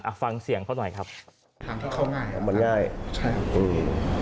ฟังเสียงเขาหน่อยครับทางที่เขาง่ายหมดเลยใช่อืม